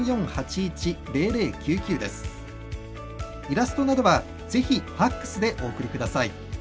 イラストなどはぜひファクスでお送りください。